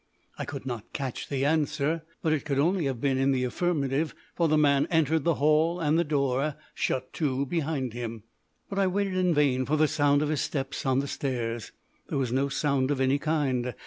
I could not catch the answer, but it could only have been in the affirmative, for the man entered the hall and the door shut to behind him. But I waited in vain for the sound of his steps on the stairs. There was no sound of any kind.